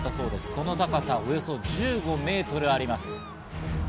その高さおよそ１５ｍあります。